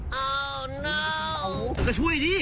เฮ้ยเฮ้ยเฮ้ยเฮ้ย